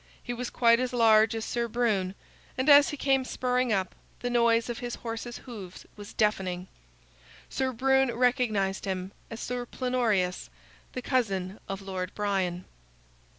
He was quite as large as Sir Brune, and as he came spurring up, the noise of his horse's hoofs was deafening. Sir Brune recognized him as Sir Plenorius, the cousin of Lord Brian.